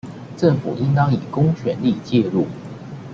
政府應當以公權力介入